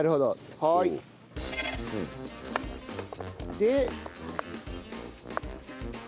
で。